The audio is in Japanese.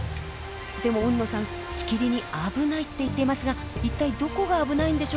でも海野さんしきりに「危ない」って言っていますが一体どこが危ないんでしょうか？